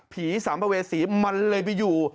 สัมภเวษีมันเลยไปอยู่